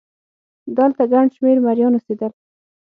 دلته ګڼ شمېر مریان اوسېدل